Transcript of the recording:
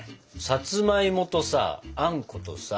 さつまいもとさあんことさ